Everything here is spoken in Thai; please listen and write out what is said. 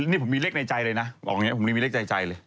นี่ผมมีเลขในใจเลยนะบอกอย่างนี้ผมยังมีเลขในใจเลย